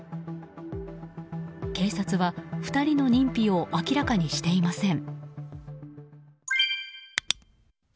警察は２人の認否を明らかにしていません。